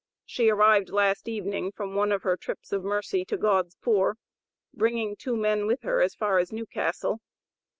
She arrived last evening from one of her trips of mercy to God's poor, bringing two men with her as far as New Castle.